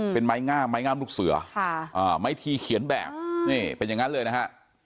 เป็นไม้งามไม้งามลูกเสือไม้ทีเขียนแบบนี่เป็นอย่างนั้นเลยนะฮะ